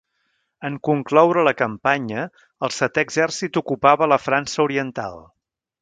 En concloure la campanya, el Setè Exèrcit ocupava la França Oriental.